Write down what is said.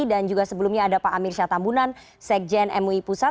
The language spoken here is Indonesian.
dan juga sebelumnya ada pak amir syatambunan sekjen mui pusat